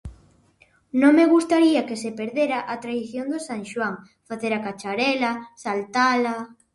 Non me gustaría que se perdera a tradición do San Xoán: facer a cacharela, saltala.